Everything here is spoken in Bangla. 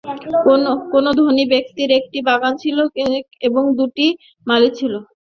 কোন ধনী ব্যক্তির একটি বাগান ছিল এবং দুইটি মালী ছিল।